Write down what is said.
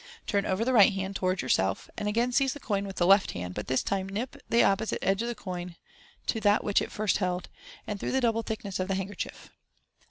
Turn over the right hand towards your self, and again seize the coin with the left hand 3 but this time nip the opposite edge of the coin to that which it first held, and through the double thickness of the hand kerchief.